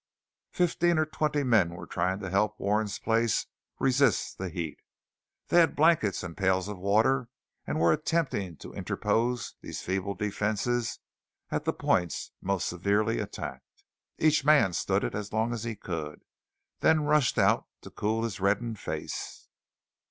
Fifteen or twenty men were trying to help Warren's place resist the heat. They had blankets and pails of water, and were attempting to interpose these feeble defences at the points most severely attacked. Each man stood it as long as he could, then rushed out to cool his reddened face.